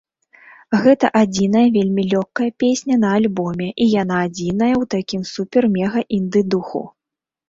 Гэта адзіная вельмі лёгкая песня на альбоме, і яна адзіная ў такім супер-мега-інды духу.